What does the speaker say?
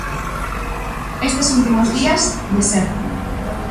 Estes últimos días, deserta.